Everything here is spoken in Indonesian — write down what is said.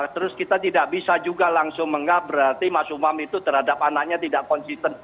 terus kita tidak bisa juga langsung menganggap berarti mas umam itu terhadap anaknya tidak konsisten